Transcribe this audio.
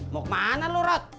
mau kemana lo rot